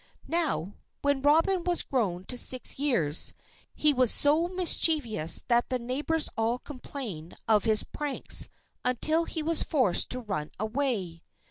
Now, when Robin was grown to six years, he was so mischievous that the neighbours all complained of his pranks until he was forced to run away.